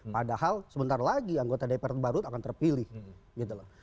padahal sebentar lagi anggota dpr baru akan terpilih gitu loh